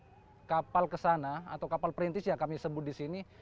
karena kapal kesana atau kapal perintis yang kami sebut disini